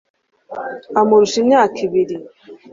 amurusha imyaka ibiri